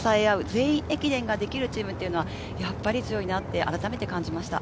全員駅伝ができるチームはやっぱり強いなと改めて感じました。